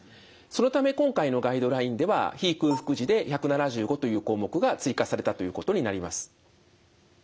そのため今回のガイドラインでは非空腹時で１７５という項目が追加されたということになります。